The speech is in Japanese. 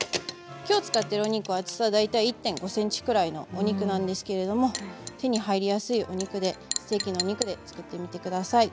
きょう使っているお肉は厚さは大体１．５ｃｍぐらいのお肉なんですけれども手に入りやすいお肉でステーキのお肉で作ってみてください。